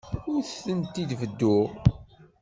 Ur tent-id-bedduɣ.